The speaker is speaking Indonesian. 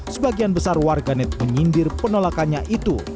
sebagian besar warganet menyindir penolakannya itu